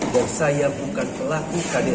bahwa saya bukan pelaku kdr